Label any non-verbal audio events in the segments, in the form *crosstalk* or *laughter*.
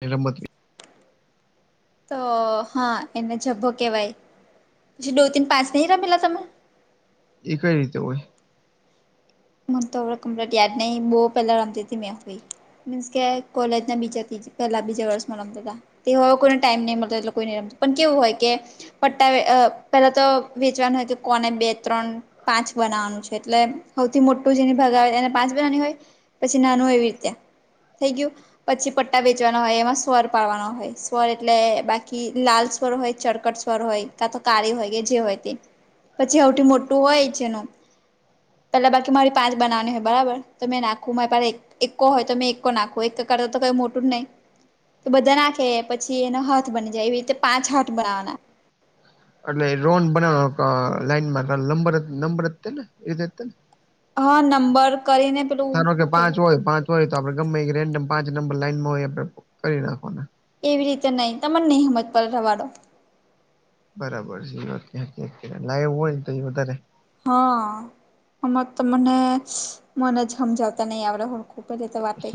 નિરમ હતી તો હા એને જ્ભો કેવાય પછી દો તન પાંચ નહી રમેલા તમે એ કઈ રીતે હોય હું તો કપ્લીટ યાાર ન બો પહેલા રી હતી મે મીન્સ કે કોલેજ ના બીજા પહેલા બીજા વર્ષ માં રમતાતા. તેવે કોઈને ટાઈમ નહી મળ લોકોમ પણ કેવું હોય કે પટ્ટા પેલા તો વેચવાનું હોય કે કોને બે ત્રણ પાંચ બનાવાનું છે એટલે સૌથી મોટું જેની ભાગા આવે એને પાંચ બનાની હોય પછી નાનું એવી રીતે થેકયુ પછી પટ્ટા વેચવાના હોય એમાં સ્વર પાડવાનો હોય સ્વર એટલે બાકી લાલ સ્વર હોય ચરકટ સ્વર હોય કા તો કાળી હોય કે જે હોય તે પછી સવથી મોટું હોય છેનું પેલા બાકી મારી પાંચ બનાવની હોય બરાબર તો મેં નાખું મારે પલા એક એકકો હોય તો મેં એકકો નાખો એક કરતા તો કઈ મોટું જ નહીં. તો બધા નાખે પછી એનો હથ બની જાય એવી રીતે પાંચ હથ બનાવવાના એટલે રોન બનાવવાનો લાઈનંબંરને એવી રીતેને હા નંબર કરીને પેલું સારો કે પાંચ કેવાય હોય પાંચ હોય તો આપડે ગમે રેન્ડમ પાંચ નંબર લાઈન માં હોય આપે કરી નાખવાના એવી રીતે નહીિ તને નહીંજ પવાડો બરાબર છે લાઈવ હોય તો વ તારે હા આમાં તો મને મને જ સમજાવતા નહી આવડ્યા હો હું કરે તમારા ભાઈ?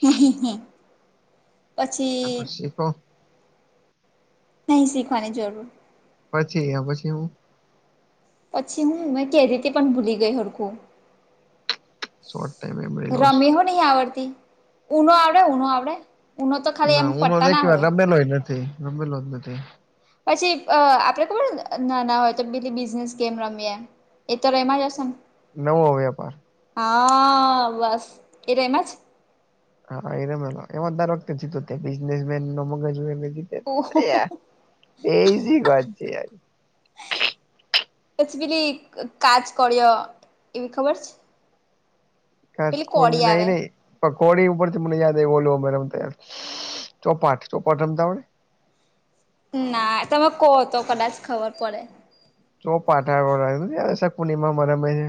હું હે હી હે પછી આ શીખો નહી શીખવાની જરૂર. પછી પછી હું પછી મ મે કે હ રીતે પણ ભૂલી ગય અકો શોર્ટ ટાઈમ મેમરી લોસ રમીહો નહી આવડતી ઉનું આવડે ઉનો આવડે ઊનો તો ખાલી એમ ના ઉનો પટ્ટા એક ના વાર હોય રમેલો જ નથી રમેલો જ નથી પછી આપડે કોબ ના ના હોય તો પેલી બિઝનેસ કેમ રમીએે એત રહે એમાં જસન નવું હોવે્યાપાર હા બસ એ ર એમાં જ હા એરામલા એમતારોખ સીકતે બિઝનેસ મેન નમ ગજ ઓહો બેજીી ગરજ પછ બીલી કજ કર્યો એવી ખબર છે કજ પેલી કર્યું કોળી નઈ આવે નહી પ કોડી ઉપર થી મને યાદ એ ઓોલ અ રમય ચોપાટ ચોપાટ રમતા હો ને ના તમે કહો તો કદાચ ખબર પડે ચોપાટ નથી ઓલી સકુની મામાં રમે છે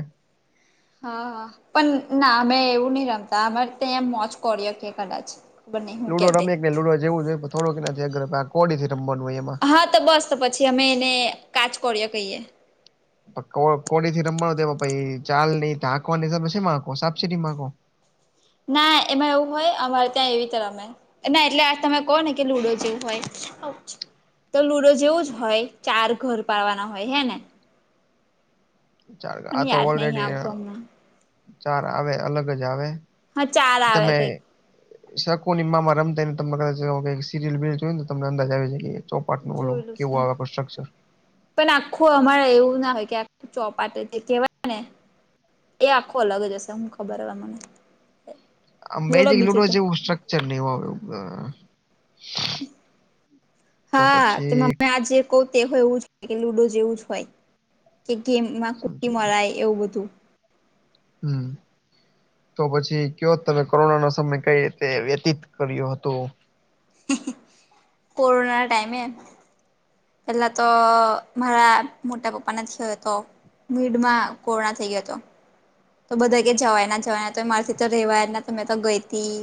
હા પણ ના અમે એવું નહ રમતા અમારે ત્યા મોજ કરી્યો કે કદાચ ખબર નહી હું લુડો તે રમી કે ને લુડો જવું જોઈએ થડોું નાનાથી અગર આ કોડીથી રમવાનું હોય એમાં હા તો, બસ તો પછી અમે એને કાચ કોળિયો કહીએ. કોડ કોડીથી રમવાનું પહિ ચાલ ની તાકવાની કે પછી સાપસીડી માંગો. ના એમાં એવું હોય અમારે ત્યાં એવી રીત રમે. ના એટલે આ તમે કહો ને કે લુડો જેવું હોય. આઉચ. તો લુડો જેવું જ હોય ચાર ઘર પાવાના હોય. હે ને? ચાર મને આ તો યાદ નહી ઓલરેડી અ આવતું હમણાં ચાર આવે અલગ જ આવે હા ચાર આવે તમે શકુનીમાંમાં રમતે *unintelligible* તમે સિરિયલ બિરિયમ જોવેન તો તમને અંદાજ આવી જાય કે કઈક ચોપાટનું ઓલું જોયેલું છે કેવું આવે કન્સ્ટ્રક્ચર. પણ આખું અમારે એવું ના હોય કે આ ચોપાટેથી કેવાય ને એ આખો અલગ જ હશે. હું ખબર હવે મને. આમ બોલો મેગીન બીજું લોચા તે જેવું સ્ટ્રકચર ને એવું આવે અ હા તે પછી મને આજે કોકે હોય એવું જ કે લુડો જેવું જ હોય કે, ગેમમાં કુ સમજી મરાય એવું બધું. હમ. તો પછી કયો તમે કોરોનાના સમયે કઈ રીતે વ્યતીત કર્યો હતો કોરોના ટાઈમે પેલાં તો મારા મોટા પપ્પા ના છયોતો. ભીડમાં કોરોના થઈ ગયોતો. તો બધા કે જવાય ના જવાય તો મારેથી તો રહેવાય ના, તો મેં તો ગઈતી.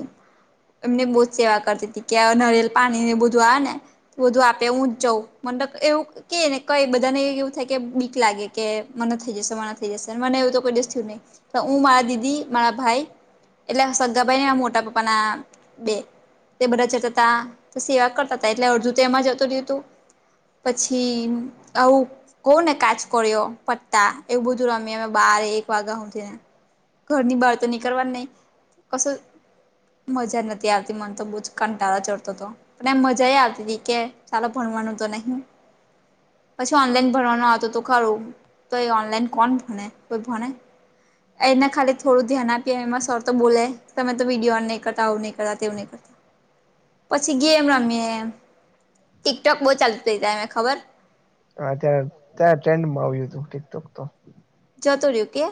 એમની બહુ જ સેવા કરતીતી, કે નારિયલ પાણી ને એ બધું આવે ને. બધું આપે હું જ જઉં. મન તો એવું કે ને કઈ બધાને એવું થાય કે, બીક લાગે કે મને થઈ જશે મને થઈ જશે મને એવું તો કોઈ દીઠયુ થયું નહીં. હું મારા દીદી, મારા ભાઈ એટલે સગ્ગા ભાઈ નઈ મોટા પપ્પાના બે. તે બધા જતાતા, તો સેવા કરતાતા, એટલે અડધુ એમાં જતું રયુતું. પછી આવું કોને કાચ કોળિયો, પત્તા એવું બધું રમીએ અમે બારે એક વાગા હુધી ઘરની બાર તો નીકળવાનું નહી કશું મજા નથી આવતી મન તો, બહુ જ કંટાળા ચડતોતો. અને આમ મજાયે આવતીતી કે ચાલો ભણવાનું તો નહી. પછી ઓનલાઈન ભણવાનો આવતુતું ખરું, તો એ ઓનલાઈન કોણ ભણે. કોઈ ભણે? એને ખાલી થોડું ધ્યાન આપીએ એમાં સર તો બોલે. તમે તો વિડીયો ઓન નહી કરતા, આવું નહી કરતા, તેવું નહી *inaudible* પછી ગેમ રમીએ, ટીકટોક બહુ ચાલતુતું એ ટાઈમએ. ખબર? હા, ત્યારે ત્યારે ટ્રેન્ડમાં આવ્યુતુ ટીકટોક તો. જતુ રહ્યુ કે,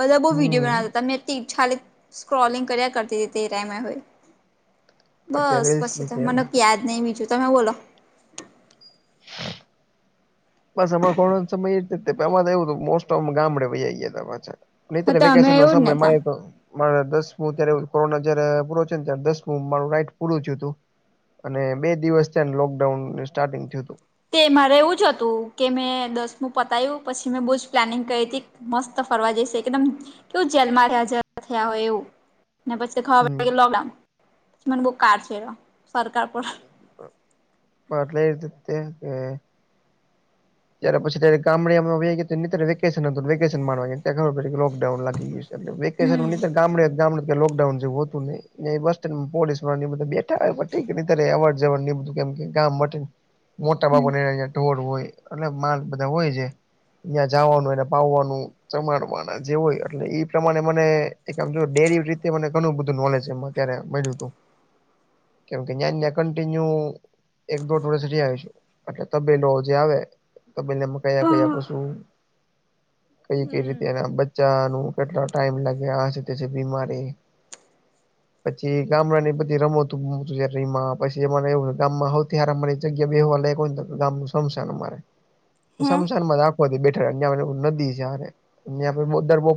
બધા બહુ વિડીયો હમ બનાતાતા. મે તી ખાલી સ્ક્રોલિંગ કર્યા કરતીતી તે ટાઈમેં હોય. બસ! અત્યારે રીલ્સ પછી ની તો છે મને એમ. યાદ નહી બીજું તમે બોલો. *inaudible* બસ અમા થોડોક સમયમાં તો એવું મોસ્ટ ઓફ ગામડે બધાં વયા ગયાતા પાછા. હા નહીતર તમે વેકેશનના એવું જ ને તા સમયમાએ તો મારે દસમું ત્યારે કોરોના જયારે પૂરો છે ને ત દસમું મારું રાઈટ પૂરું થયુતું. અને બે થયા ને લોકડાઉન સ્ટાર્ટિંગ થયુતું. તે મારે એવું જ હતું કે મેં દસમું પતાયું પછી મેં બહુ જ પ્લાનિંગ કરી હતી. મસ્ત ફરવા જઈશે એકદમ કેવું જેલમાં હાજ થયા હોય એવું ને પછી ખવા પ હમ લકડાઉન બ કાળછે એ ર સરકાર માટલે એર્તીતે ત્યારે પછી જ્યારે ગામડે અમે વયા ગ્યાતા નીતર વેકેશન હતુંન વેકેશન માણવા ગયાં ખબર *unintelligible* પેલો ડાઉન લાગી જશે, વેકેશન હમ નીતર ગામડે જવાનું ત્યાં લોકડાઉન જેવું હો તું નય. ત્યાં બસ સ્ટેન્ડમાં પોલીસવાળા ને એ બધા બેઠા હોય પણ ઠીક અત્યારે અવર જવરને એ બધું કેમ કે, ગામ માટે મોટા બાપુને યા ટોળું હોય. એટલે માર્ગ બધા હોય છે યા જવાનું એને પાવવાનું. સમારવાના જે હોય એટલે એ પ્રમાણે મને એક આમ જો ડેરી રીતે મને ઘણું બધું નોલેજ છે મન. ત્યારે મળ્યુતું. જ કિન્યુ એક દોઢ વડષધી આવીશું એટલે તબેલો જે આવે. તો બબેલામાં કયા કયા પશુ કઈ કઈ હમ રીતે એના બચ્ચાનું કેટલો ટાઈમ લાગે હ ત બીમારે. પછી ગામડા ની બધી રમતું પછી ગામમાં ત અમારી જગ્યા બેવા લે ગામું શમશાન અમારે. હે શમશાનમાંજા આઓ બેઠા નદી છે દરબો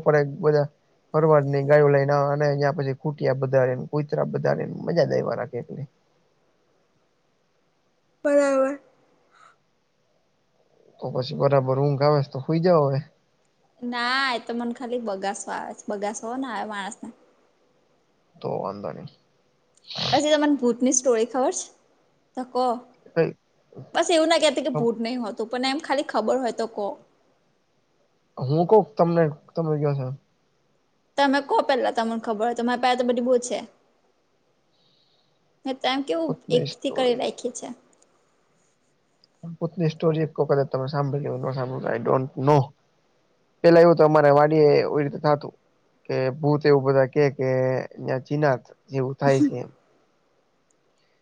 બધા ફરવાડ ન ગાયો લઈને અને્યાં પછી ખુટ બધારે ને કોઈતરા બારેને મજા દેખ *inaudible* બરાબર. તો પછી બરાબર ઊંઘ આવે તો હુય જાવ હવે. ના એતો મને ખાલી બગાસો આવે છે બગાસો હો ને આવે માણસ તો વાંધ નહી. આજ તમાને ભુથની સ્ટોરી ખબર છે ત કો. એઈ બસ એવું ના કહેતી કે ભૂત નહી હોતું પણ એમ ખાલી ખબર હોય તો કોહ. હું ક તમને તમે કયો છો તમે કો પેલા તમને ખબરય મારે પહેલા તો બધી બહુ છે. તમ કેવું એક ભૂતની થી કરી સ્ટોરી રાખી છે. ભુતની સ્ટોરી એક વખત જ તમે સાંભળી કે ન સાંભળ આઈ ડોન્ટ નો. પેલા એવું તો અમારે વાડી એ રીતે થતું. કે ભૂત એવું બધા કે કે ત્યાં ચીના જેવું થાય છે એમ.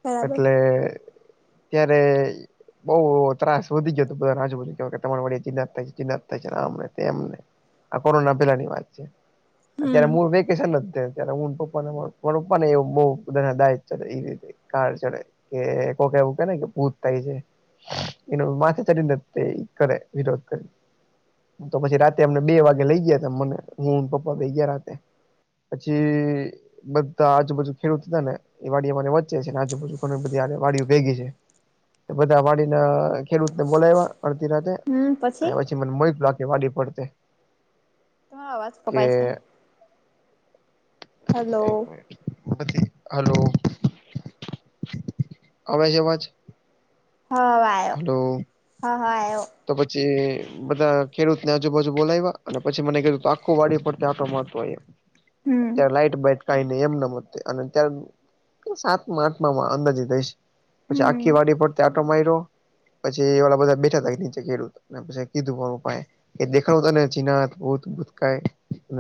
બરાબર. એટલે ત્યારે બઉ ત્રાસ વધી ગયોતો બધા રાજુ તમારા ચિનાર થાય છે ચિનાર થાય છે આમ તેમને. આ કોરોના પેલા ની વાત છે અત્યારે હમ મૂળ વેકેશન ત્યારે પપ્પાને પપ્પ ને એ બ બધા દાય એ રીતે. કાર ચડે કે કોક એવું કેને કે ભૂત થાય છે. એનું માથે ચટીંદતે એક કરે વિરોધ કરી તો પછી રાતે અમને બે વાગે લઈ ગયા ત મને હું પપ્પા ભઈ ગયા રાતે. પછી બધા આજુબાજુ ખેડૂત હતા ને એ વાડીને વચે છે આજુબાજુ ઘણી બધી વાડીઓ ભેગી છે બધા વાડી ના ખેડૂતને બોલાવ્યા અડધી રાતે અને પછી મને મોકખ વાડી પડતે તરો આવાજ કે કપાય છે. એક હાલો. મિનિટ હલો અ છે અવાજ હ વા હલો હા હા આયો. તો પછી બધા ખેડૂતને આજુબાજુ બોલાવ્યા અને પછી મને કીધું આખું વાડી પર આખો આટો મારતો એમ. હમ અ લાઈટ બ કઈ નહી એમના મ અને ત્યારે સાતમા આઠમા માં અંદાજે થઈશ. પછી હમ આખી વાડી પર આટો મારી્યો પછી એ વાળ બધા બેઠા ત પસે કે દુબર ઉપાય એ દેખાડું તો ને ના ભૂત ભૂતકા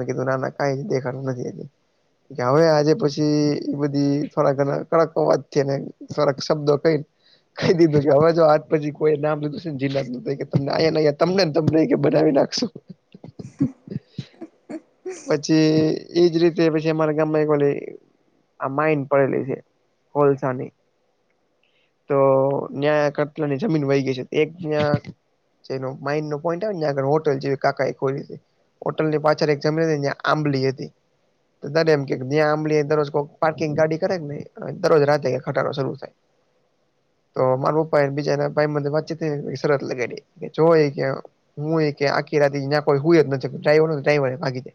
કીધું નાના ક દેખાડું નથીજ. હવે આજે પછી એ બધી થોડાક ઘ કડક વાત છે ને થોક શબ્દો કઈ કહી દીધો કે હવે જો આજ પછી કોઈ નામ લીધું છે ને જિલ્લા તમ અહીયાનેયા તમનેને તમને કે બનાવી નાખશો. હ પછી એજ રીતે રા ગામમાં આ માઇન પડેલી છે કોલસાની. તો ન્યા કરતલાની જમીન વહી ગઈ છે એક્યા માન્ડ નો પોઈન્ટ આવેને આગળ હોટલ જે કાકા એ કોતે હોટલ ની પાછળ *unintelligible* આંબલી હતી. દરે એમ જ્યાં આંબલી દરરોજઈક પાર્કિંગ ગાડી કરે નહી દરરોજ રાતે ક ખટારડો શરૂ થાય. તો મારા પપ્પા બીજાના ભાઈ મ વાતચીત શત લગાડી જો કે આ હું કે આખી રાતી્યા કોઈય જ નથીાઈ ટાઈ બાકી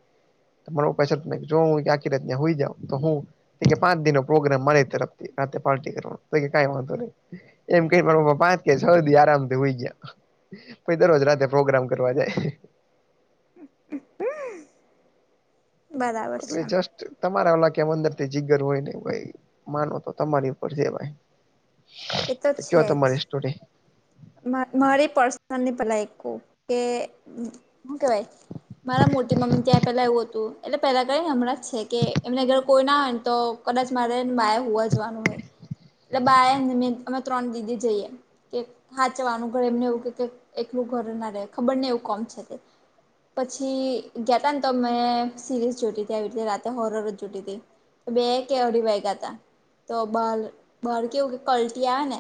તમારોું પૈસા જો હું આખી રત ત્યાં હોઈ જં તો હું તો કે પાંચ દિ નનો પ્રોગ્રામ મળે તરફથી રા પાર્ટી કરવાનો તો કઈ વાંધો નહીં. એમ ક પપા પાંચ કે સધી આરામથી હુંય જાય. પછ દરરોજ રાતે પ્રોગ્રામ કરવા જાય. હ અલી છે. જસ્ટ તમારા કેમ અંદર જીગ્ગર હોય નને ભાઈ માનો તો તમારી ઉપર છે ભાઈ. એ તો કેયો છે તમારી જ સ્ટોરી. મારી પર્સનલની ભલા એક કે શું કેવાય મારા મોટી મમ્મી ત્યાં પેલા એવું હતું એટલે પહેલા ક હમણાં જ છે કે એમને અર કોઈ ના હોય તો કદાચ મારે માયા હોવા જવાનું હોય. એટલે બાાય અમે ત્રણ દીદી જઈએ કે હાચવાનું ઘર એમને એવું કે એટલું ઘર ના રહેે ખબર ને એવું કોમ છે તે પછી ગયાતા ને તો મેં સિરીઝ જોટી હતી આવી રીતે રાતે હોરર જ જોટી હતી. તો બે કેવરી વાઈકા હતા તો બહાર બહાર કેવું કે કલટી આવે ને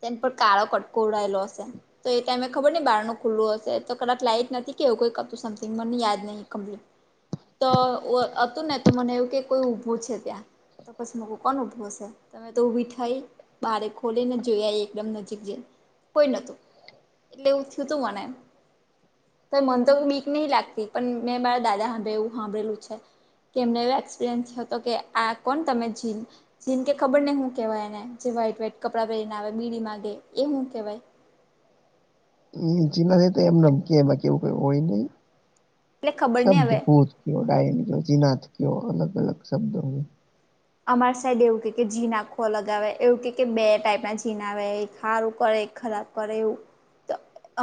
તેને પણ કાળો કટકો ઉડાયલો હશે. તો એટમે ખબર નને બારનું ખુલ્લું હશે તો કદાચ લાઈ જ નથી કેવુંઈ કતું સમથિંગ મને યાદ નહીં કમ્પ્લીટ તો હતું ને તો મને એવું કે કોઈ ઉઊભું છે ત્યાં તો પછી મ કોણ ઉભો હશે તમે તો ઉઊભી થઈ બારે ખોલીને જોઈ એકદમ નજીક જ કોઈ નોતું એટલે એું થયું તું મને એમ. મન તો મીક નહી લાગતી પણ મેં મારા દાદા સાંભે એવું સાંભળેલું છે. કે એમને એવ એક્સપિરિયન્સ હતો કે આ કોણ તમે જીમ જેન કે ખબર ને હું કેહેવાય એને જે વ્હાઈટ વહાઈટ કપડાં પહેરીને આવે બીડી માંગે એ હું કહેવાય. ચીમાં તો એમકી એમાં કેવું કઈ હોય નહી એટલે ખબર નહીં શબ્દ હવે ભૂત કયો ડાયન કયો જીનાથ કયો અલગ અલગ શબ્દોની અમારા સાઈડ એવું ક જી આખો લગાવે એવું ક કે બે ટાઈપ ના જીન આવે એ સારું કરે ખરાબ. કર એવું.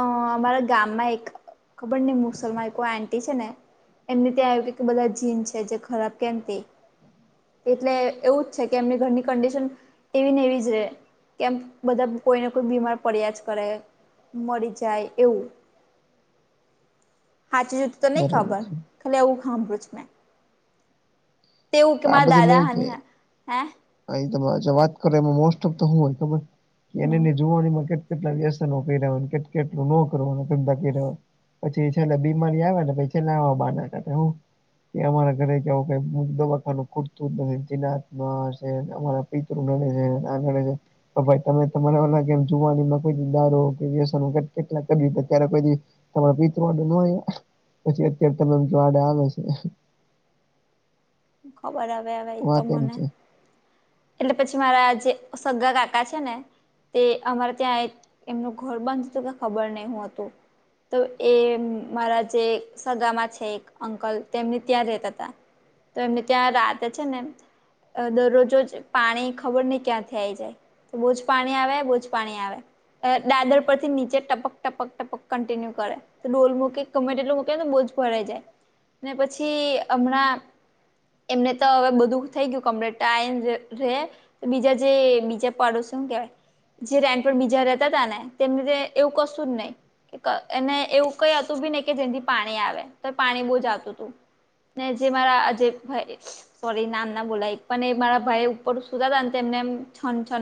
અ અમારા ગામમાં એક ખબર ને મુસલમાં કોઈ આંટી છે ને એમને ત્યાં આવ કે કે બધા જીન છે જે ખરાબ કેમ તે એટલે એવું જ છે કે એમને ઘરની કંડિશન એવી ને એવી છે. કેમ બધા કોઈને કોઈ બીમાર પડ્યા જ કરે મરી જાય એવું. હમ હાચી જુતું તો નહી ખબર ખાલી એવું સાંભળું છે. તેવું કે મારા દાદા હની હ હે? અહી તમે વાત કરો એમાં મોસ્ટ ઓફ તો હું હોય ખબર હમ એનેને જોવાની કે કેટલા વ્યસનો કેટું ન કરવા પછી છેલ્લે બીમારી આવે ને પછી છેલ્લા આવવા બના કર હું. કે અમારા ઘરે કેવો ક મુ કુતું જ નથી નાથમાં છે અમારા પિતૃું નડ છે *unintelligible* તો ભાઈ તમે તમારા લાગેમ જોવાની માં કોઈ દારૂ કે વસવા કેટલા કર્યું ત્યારે કોઈ તમારા પિતૃ વાડે ન પછી અત્યારે તમેમ જોવાડે આવે છે ખબર આવે હ એ તો વાત એમ મને છે એટલે પછી મારા જે સગ્ગા કાકા છે ને તે અમારે ત્યાં એમનું ઘર બંધ હતું કે ખબર નહું હતું તો એ મારા જે સગામાં છે એક અંકલ તેમને ત્યાં રહેતા હતા તો એમને ત્યાં રાતે છે ને દરરોજોજ પાણી ખબર નહ ક્યાંથી આઈ જાય બુ જ પાણી આવે બુજ પાણી આવે દાદર પરથી નીચે ટપક ટપક ટપક કન્ટિન્યુ કરે ડોલ મૂકી કમેટ એટલો મૂકીનેને બહુજ ભરાઈ જાય ને પછી હમણાં એમને તો હવે બધું થઈ ગયું કમરેટ આ રે તો બીજા જે બીજા પડો શું કેવાય જે રેન પણ બીજા રહેતા તા ને તેમને એવું કશું જ નહી એને એવું કઈ હતું બી નને કે જેથી પાણી આવે તો પાણી બહુ જ આવતું હતું ને જે મારા સરી નામ ના બોલાય પણ એ મારા ભાઈ ઉપર સુધ હતાને છ છ